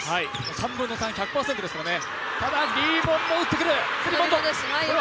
３分の３、１００％ですからね。